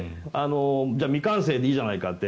未完成でいいじゃないかって。